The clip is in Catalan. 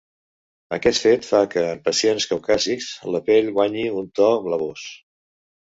Aquest fet fa que en pacients caucàsics la pell guanyi un to blavós.